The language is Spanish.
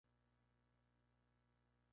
Tomó lecciones durante un año.